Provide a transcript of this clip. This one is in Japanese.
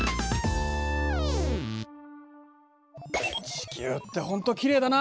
地球ってほんときれいだな。